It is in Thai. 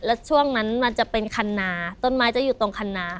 แล้วช่วงนั้นมันจะเป็นคันนาต้นไม้จะอยู่ตรงคันนา